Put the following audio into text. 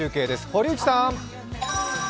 堀内さん！